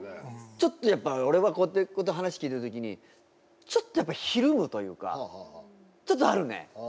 ちょっとやっぱ俺はこうやって話聞いた時にちょっとやっぱひるむというかちょっとあるね。